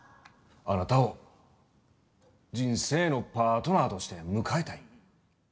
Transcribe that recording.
あなたを人生のパートナーとして迎えたい。